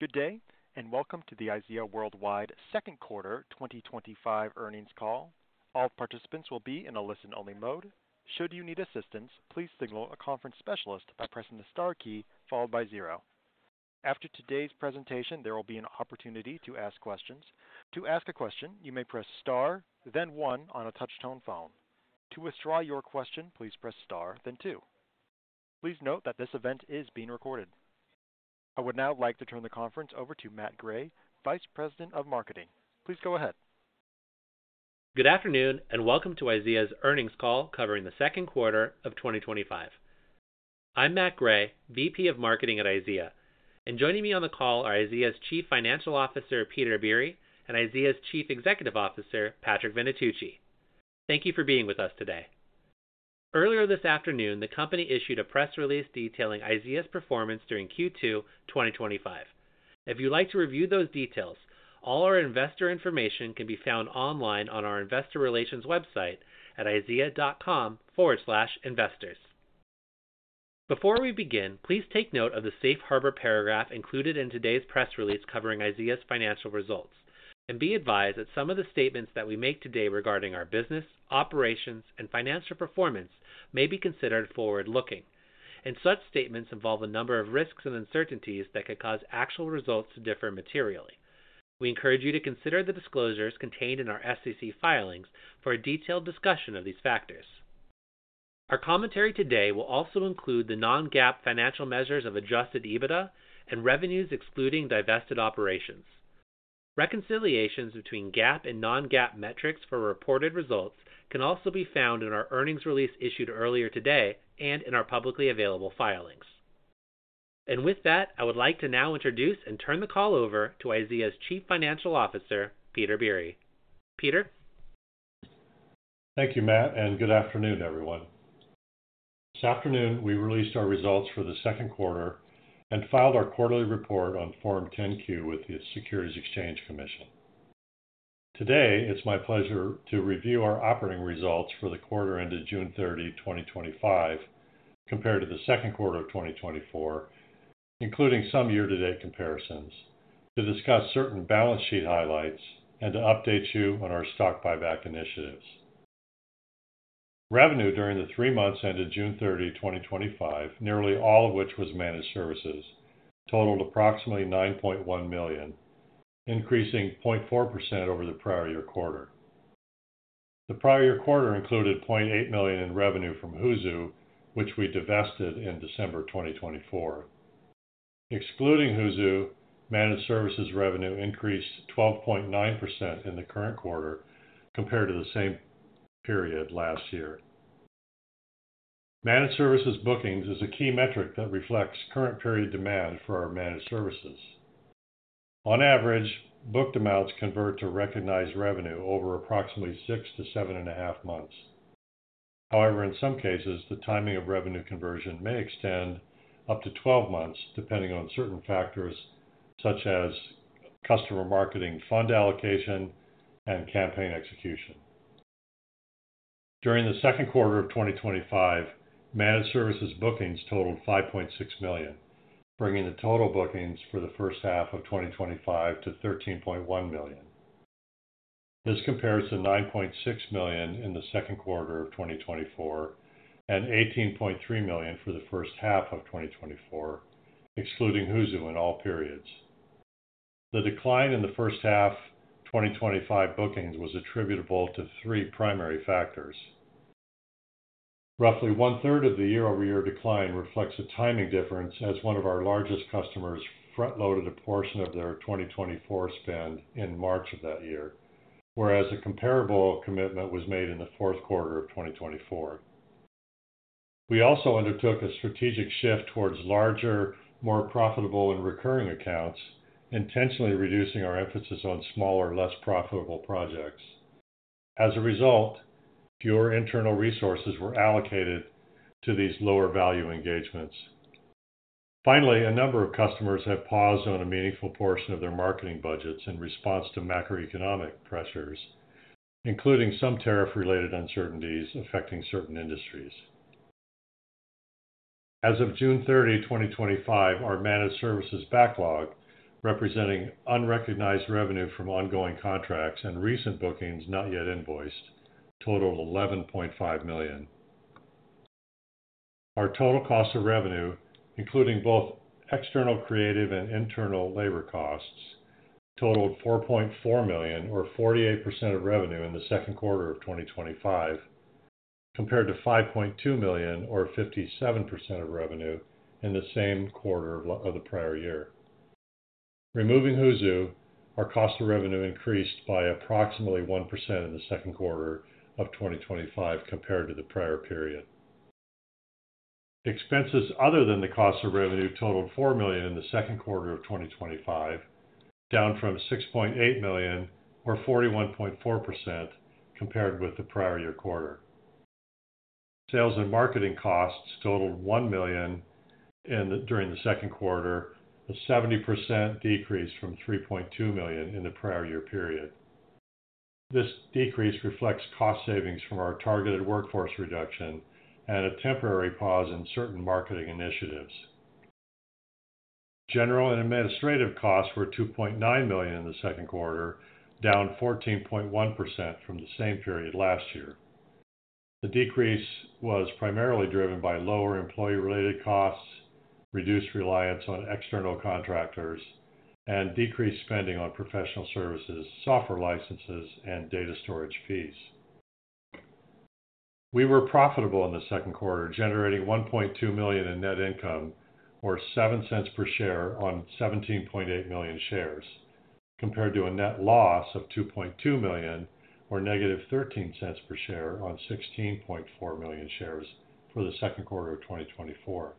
Good day, and welcome to the IZEA Worldwide Inc., Second Quarter 2025 Earnings Call. All participants will be in a listen-only mode. Should you need assistance, please signal a conference specialist by pressing the star key followed by zero. After today's presentation, there will be an opportunity to ask questions. To ask a question, you may press star, then one on a touch-tone phone. To withdraw your question, please press star, then two. Please note that this event is being recorded. I would now like to turn the conference over to Matt Gray, Vice President of Marketing. Please go ahead. Good afternoon, and welcome to IZEA's earnings call covering the second quarter of 2025. I'm Matt Gray, Vice President of Marketing at IZEA, and joining me on the call are IZEA's Chief Financial Officer, Peter Biere, and IZEA's Chief Executive Officer, Patrick Venetucci. Thank you for being with us today. Earlier this afternoon, the company issued a press release detailing IZEA's performance during Q2 2025. If you'd like to review those details, all our investor information can be found online on our investor relations website at izea.com/investors. Before we begin, please take note of the Safe Harbor paragraph included in today's press release covering IZEA's financial results, and be advised that some of the statements that we make today regarding our business, operations, and financial performance may be considered forward-looking, and such statements involve a number of risks and uncertainties that could cause actual results to differ materially. We encourage you to consider the disclosures contained in our SEC filings for a detailed discussion of these factors. Our commentary today will also include the non-GAAP financial measures of adjusted EBITDA and revenues excluding divested operations. Reconciliations between GAAP and non-GAAP metrics for reported results can also be found in our earnings release issued earlier today and in our publicly available filings. With that, I would like to now introduce and turn the call over to IZEA's Chief Financial Officer, Peter Biere. Peter. Thank you, Matt, and good afternoon, everyone. This afternoon, we released our results for the second quarter and filed our quarterly report on Form 10-Q with the Securities Exchange Commission. Today, it's my pleasure to review our operating results for the quarter ended June 30, 2025, compared to the second quarter of 2024, including some year-to-date comparisons, to discuss certain balance sheet highlights, and to update you on our stock buyback initiatives. Revenue during the three months ended June 30, 2025, nearly all of which was Managed Services, totaled approximately $9.1 million, increasing 0.4% over the prior-year-quarter. The prior-year-quarter included $0.8 million in revenue from Hoozu, which we divested in December 2024. Excluding Hoozu, Managed Services revenue increased 12.9% in the current quarter compared to the same period last year. Managed Services bookings is a key metric that reflects current period demand for our Managed Services. On average, booked amounts convert to recognized revenue over approximately six to 7.5 months. However, in some cases, the timing of revenue conversion may extend up to 12 months, depending on certain factors such as customer marketing, fund allocation, and campaign execution. During the second quarter of 2025, Managed Services bookings totaled $5.6 million, bringing the total bookings for the first half of 2025 to $13.1 million. This compares to $9.6 million in the second quarter of 2024 and $18.3 million for the first half of 2024, excluding Hoozu in all periods. The decline in the first half of 2025 bookings was attributable to three primary factors. Roughly 1/3 of the year-over-year decline reflects a timing difference, as one of our largest customers front-loaded a portion of their 2024 spend in March of that year, whereas a comparable commitment was made in the fourth quarter of 2024. We also undertook a strategic shift towards larger, more profitable, and recurring accounts, intentionally reducing our emphasis on smaller, less profitable projects. As a result, fewer internal resources were allocated to these lower-value engagements. Finally, a number of customers had paused on a meaningful portion of their marketing budgets in response to macroeconomic pressures, including some tariff-related uncertainties affecting certain industries. As of June 30, 2025, our Managed Services backlog, representing unrecognized revenue from ongoing contracts and recent bookings not yet invoiced, totaled $11.5 million. Our total cost of revenue, including both external creative and internal labor costs, totaled $4.4 million, or 48% of revenue in the second quarter of 2025, compared to $5.2 million, or 57% of revenue in the same quarter of the prior year. Removing Hoozu, our cost of revenue increased by approximately 1% in the second quarter of 2025 compared to the prior period. Expenses other than the cost of revenue totaled $4 million in the second quarter of 2025, down from $6.8 million, or 41.4% compared with the prior-year-quarter. Sales and marketing costs totaled $1 million during the second quarter, a 70% decrease from $3.2 million in the prior-year-period. This decrease reflects cost savings from our targeted workforce reduction and a temporary pause in certain marketing initiatives. General and administrative costs were $2.9 million in the second quarter, down 14.1% from the same period last year. The decrease was primarily driven by lower employee-related costs, reduced reliance on external contractors, and decreased spending on professional services, software licenses, and data storage fees. We were profitable in the second quarter, generating $1.2 million in net income, or $0.07 per share on 17.8 million shares, compared to a net loss of $2.2 million, or -$0.13 per share on 16.4 million shares for the second quarter of 2024.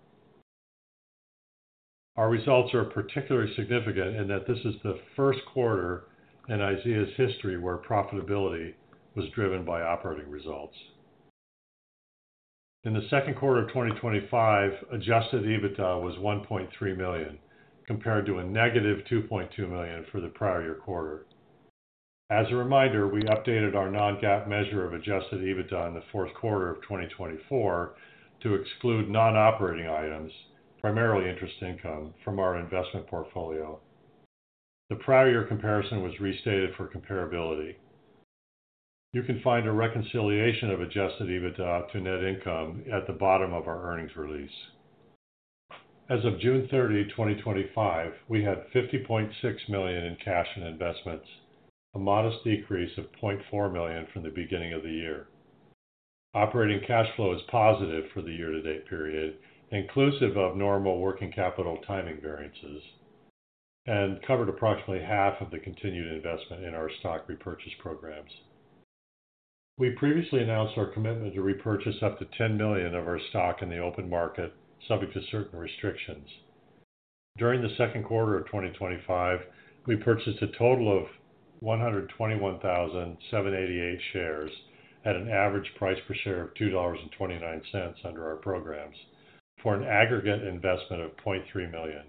Our results are particularly significant in that this is the first quarter in IZEA Worldwide Inc.'s, history where profitability was driven by operating results. In the second quarter of 2025, adjusted EBITDA was $1.3 million, compared to a -$2.2 million for the prior-year-quarter. As a reminder, we updated our non-GAAP measure of adjusted EBITDA in the fourth quarter of 2024 to exclude non-operating items, primarily interest income, from our investment portfolio. The prior year comparison was restated for comparability. You can find a reconciliation of adjusted EBITDA to net income at the bottom of our earnings release. As of June 30, 2025, we had $50.6 million in cash and investments, a modest decrease of $0.4 million from the beginning of the year. Operating cash flow is positive for the year-to-date period, inclusive of normal working capital timing variances, and covered approximately half of the continued investment in our stock repurchase programs. We previously announced our commitment to repurchase up to $10 million of our stock in the open market, subject to certain restrictions. During the second quarter of 2025, we purchased a total of 121,788 shares at an average price per share of $2.29 under our programs for an aggregate investment of $0.3 million.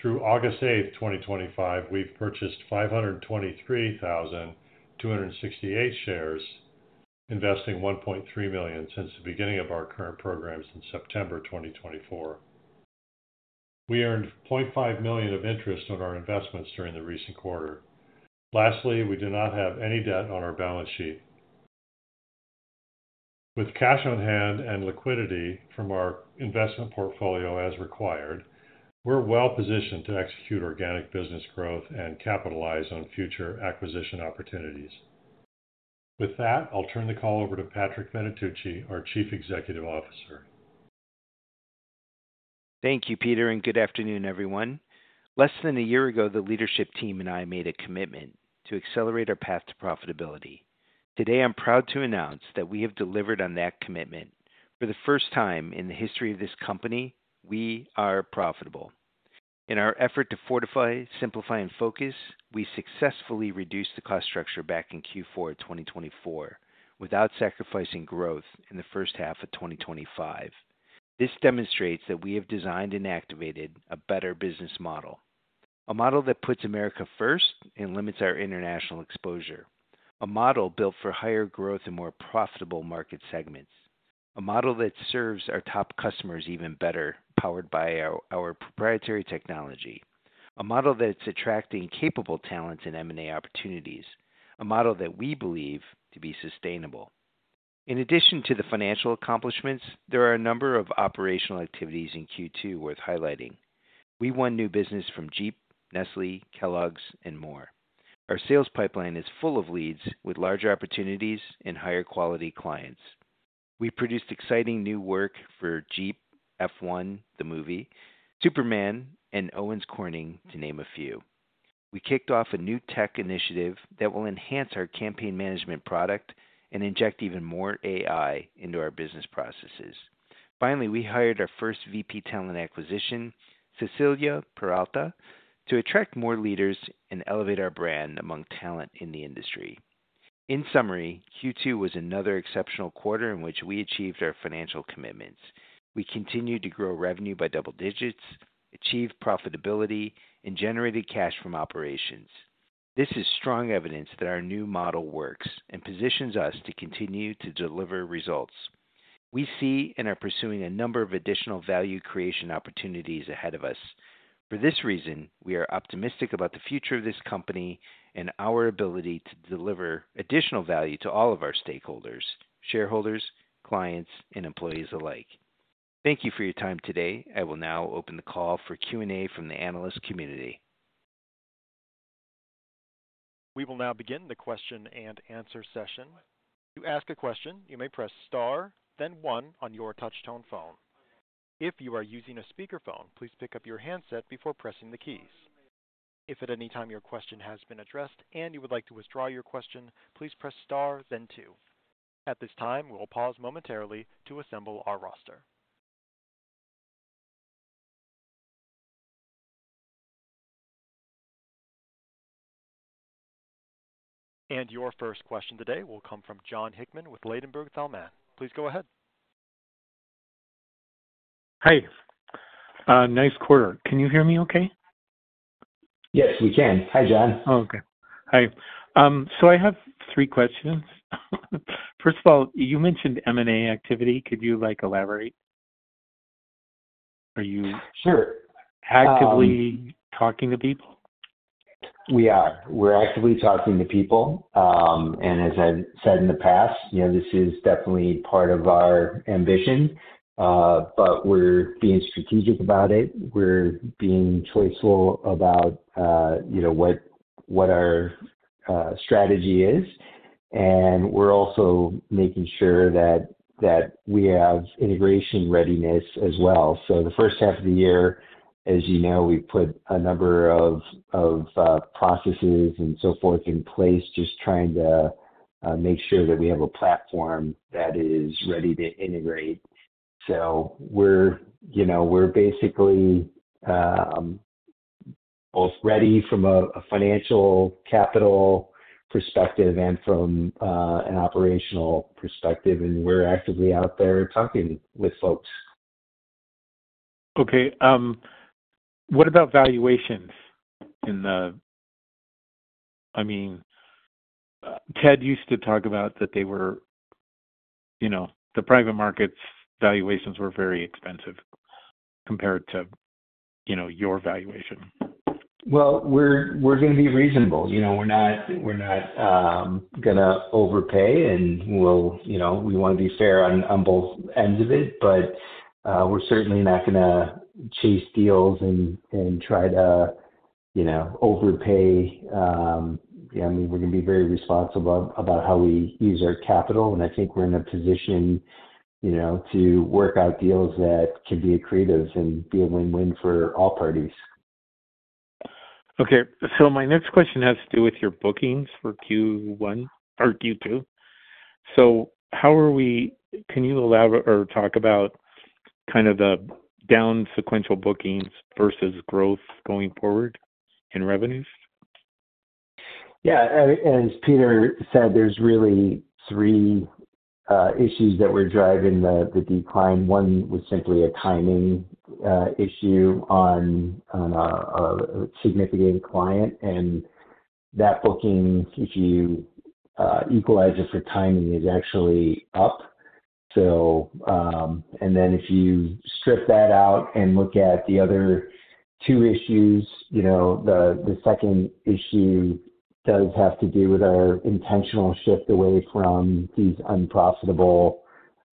Through August 8, 2025, we've purchased 523,268 shares, investing $1.3 million since the beginning of our current programs in September 2024. We earned $0.5 million of interest on our investments during the recent quarter. Lastly, we do not have any debt on our balance sheet. With cash on hand and liquidity from our investment portfolio as required, we're well positioned to execute organic business growth and capitalize on future acquisition opportunities. With that, I'll turn the call over to Patrick Venetucci, our Chief Executive Officer. Thank you, Peter, and good afternoon, everyone. Less than a year ago, the leadership team and I made a commitment to accelerate our path to profitability. Today, I'm proud to announce that we have delivered on that commitment. For the first time in the history of this company, we are profitable. In our effort to fortify, simplify, and focus, we successfully reduced the cost structure back in Q4 2024 without sacrificing growth in the first half of 2025. This demonstrates that we have designed and activated a better business model, a model that puts America first and limits our international exposure, a model built for higher growth and more profitable market segments, a model that serves our top customers even better, powered by our proprietary technology, a model that's attracting capable talents and M&A opportunities, a model that we believe to be sustainable. In addition to the financial accomplishments, there are a number of operational activities in Q2 worth highlighting. We won new business from Jeep, Nestlé, Kellogg’s, and more. Our sales pipeline is full of leads with larger opportunities and higher quality clients. We produced exciting new work for Jeep, F1 The Movie, Superman, and Owens Corning, to name a few. We kicked off a new tech initiative that will enhance our campaign management product and inject even more AI into our business processes. Finally, we hired our first Vice President of Talent Acquisition, Cecilia Peralta, to attract more leaders and elevate our brand among talent in the industry. In summary, Q2 was another exceptional quarter in which we achieved our financial commitments. We continued to grow revenue by double digits, achieved profitability, and generated cash from operations. This is strong evidence that our new model works and positions us to continue to deliver results. We see and are pursuing a number of additional value creation opportunities ahead of us. For this reason, we are optimistic about the future of this company and our ability to deliver additional value to all of our stakeholders, shareholders, clients, and employees alike. Thank you for your time today. I will now open the call for Q&A from the analyst community. We will now begin the question and answer session. To ask a question, you may press star, then one on your touch-tone phone. If you are using a speakerphone, please pick up your handset before pressing the keys. If at any time your question has been addressed and you would like to withdraw your question, please press star, then two. At this time, we will pause momentarily to assemble our roster. Your first question today will come from Jon Hickman with Ladenburg Thalmann. Please go ahead. Hi, nice quarter. Can you hear me okay? Yes, we can. Hi, John. Okay. Hi. I have three questions. First of all, you mentioned M&A activity. Could you elaborate? Are you actively talking to people? We are actively talking to people. As I've said in the past, this is definitely part of our ambition. We're being strategic about it. We're being choiceful about what our strategy is. We're also making sure that we have integration readiness as well. The first half of the year, as you know, we put a number of processes and so forth in place, just trying to make sure that we have a platform that is ready to integrate. We're basically both ready from a financial capital perspective and from an operational perspective, and we're actively out there talking with folks. Okay. What about valuations? I mean, Ted used to talk about that they were, you know, the private market's valuations were very expensive compared to, you know, your valuation. We're going to be reasonable. We're not going to overpay, and we want to be fair on both ends of it, but we're certainly not going to chase deals and try to overpay. We're going to be very responsible about how we use our capital, and I think we're in a position to work out deals that can be accretive and be a win-win for all parties. Okay. My next question has to do with your bookings for Q1 or Q2. Can you elaborate or talk about the down sequential bookings versus growth going forward in revenues? Yeah. As Peter said, there's really three issues that were driving the decline. One was simply a timing issue on a significant client, and that booking, if you equalize it for timing, is actually up. If you strip that out and look at the other two issues, the second issue does have to do with our intentional shift away from these unprofitable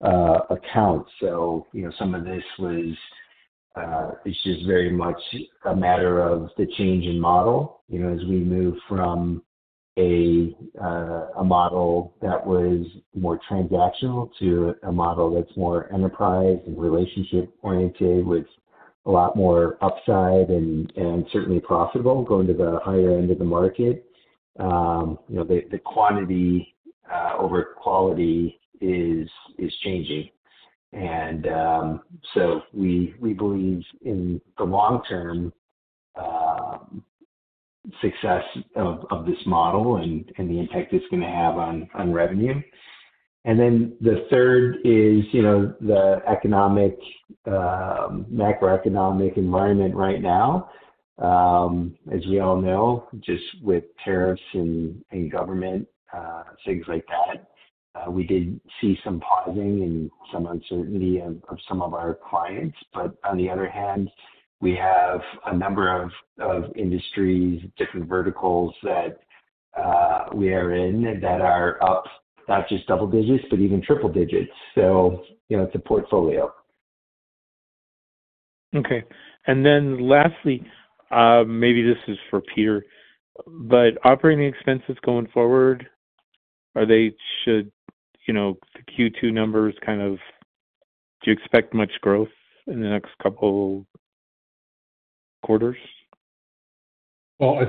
accounts. Some of this was, I don't know, this is very much a matter of the change in model. As we move from a model that was more transactional to a model that's more enterprise and relationship-oriented with a lot more upside and certainly profitable going to the higher end of the market, the quantity over quality is changing. We believe in the long-term success of this model and the impact it's going to have on revenue. The third is the economic, macroeconomic environment right now. As we all know, just with tariffs and government, things like that, we did see some pausing and some uncertainty of some of our clients. On the other hand, we have a number of industries, different verticals we are in that are not just double digits, but even triple digits. It's a portfolio. Okay. Lastly, maybe this is for Peter, but operating expenses going forward, should the Q2 numbers, do you expect much growth in the next couple quarters? Should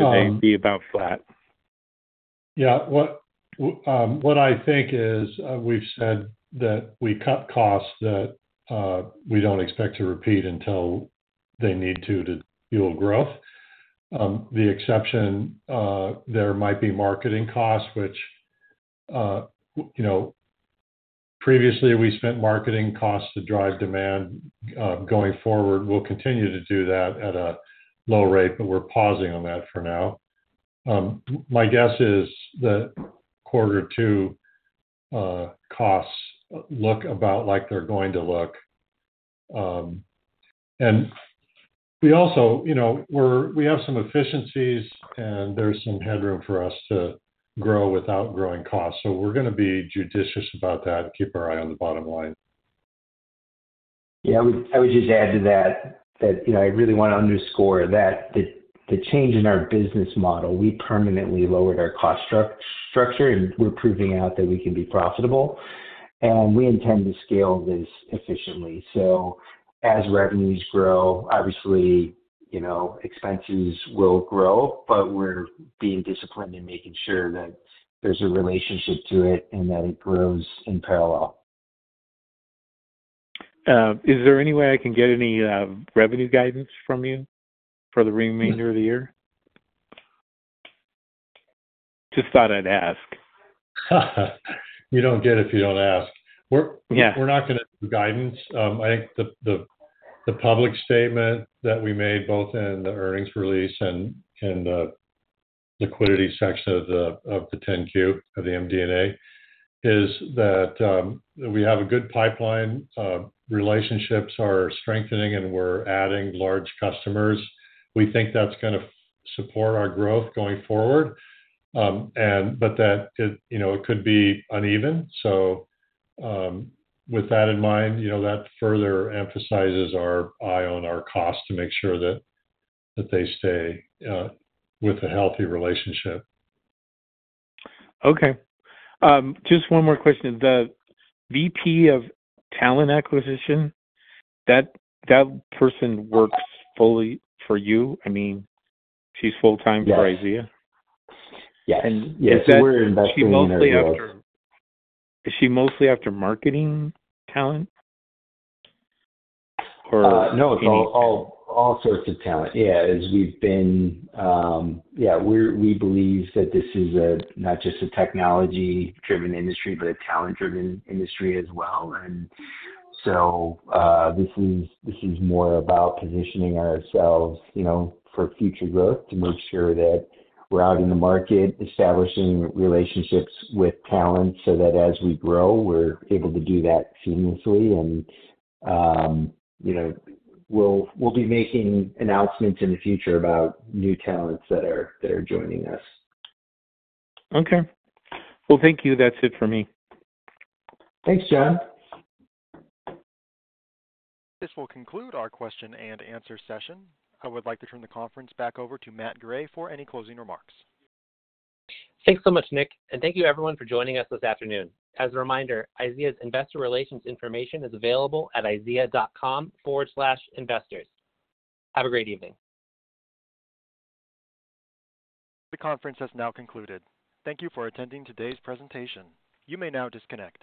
they be about flat? Yeah. What I think is we've said that we cut costs that we don't expect to repeat until they need to to fuel growth. The exception there might be marketing costs, which, you know, previously we spent marketing costs to drive demand. Going forward, we'll continue to do that at a low rate, but we're pausing on that for now. My guess is the Q2 costs look about like they're going to look. We also, you know, we have some efficiencies, and there's some headroom for us to grow without growing costs. We're going to be judicious about that and keep our eye on the bottom line. I would just add to that, you know, I really want to underscore that the change in our business model, we permanently lowered our cost structure, and we're proving out that we can be profitable. We intend to scale this efficiently. As revenues grow, obviously, you know, expenses will grow, but we're being disciplined and making sure that there's a relationship to it and that it grows in parallel. Is there any way I can get any revenue guidance from you for the remainder of the year? Just thought I'd ask. You don't get if you don't ask. We're not going to do guidance. I think the public statement that we made, both in the earnings release and in the liquidity section of the 10-Q of the MD&A, is that we have a good pipeline. Relationships are strengthening, and we're adding large customers. We think that's going to support our growth going forward. It could be uneven. With that in mind, that further emphasizes our eye on our costs to make sure that they stay with a healthy relationship. Okay. Just one more question. The Vice President of Talent Acquisition, that person works fully for you? I mean, she's full-time for IZEA? Yeah, we're investing in that. Is she mostly after marketing talent? No, it's all sorts of talent. We believe that this is not just a technology-driven industry, but a talent-driven industry as well. This is more about positioning ourselves for future growth to make sure that we're out in the market, establishing relationships with talent so that as we grow, we're able to do that seamlessly. We'll be making announcements in the future about new talents that are joining us. Okay. Thank you. That's it for me. Thanks, Jon. This will conclude our question and answer session. I would like to turn the conference back over to Matt Gray for any closing remarks. Thanks so much, Nick, and thank you everyone for joining us this afternoon. As a reminder, IZEA Worldwide Inc.'s, investor relations information is available at izea.com/investors. Have a great evening. The conference has now concluded. Thank you for attending today's presentation. You may now disconnect.